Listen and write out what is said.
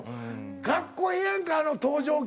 かっこええやんかあの登場曲。